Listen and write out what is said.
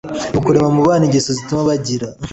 ni ukurema mu bana ingeso zituma bagira